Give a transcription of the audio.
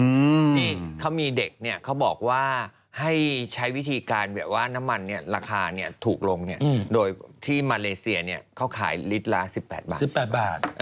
นี่เขามีเด็กเขาบอกว่าให้ใช้วิธีการแบบว่าน้ำมันราคาถูกลงโดยที่มาเลเซียเขาขายลิตรละ๑๘บาท